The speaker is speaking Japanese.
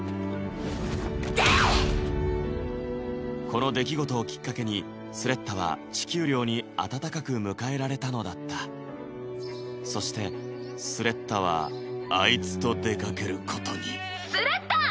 この出来事をきっかけにスレッタは地球寮に温かく迎えられたのだったそしてスレッタはあいつと出かけることにスレッタ！